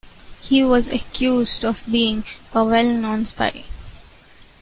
He was accused of being "a well known spy".